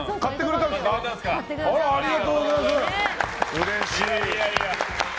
うれしい。